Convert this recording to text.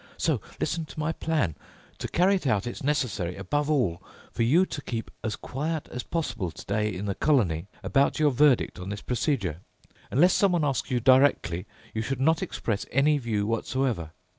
So listen to my plan. To carry it out, it's necessary, above all, for you to keep as quiet as possible today in the colony about your verdict on this procedure. Unless someone asks you directly, you should not express any view whatsoever.